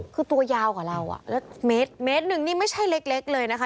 คือตัวยาวกว่าเราอ่ะแล้วเมตรหนึ่งนี่ไม่ใช่เล็กเลยนะคะ